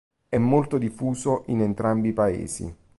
È molto diffuso in entrambi i Paesi.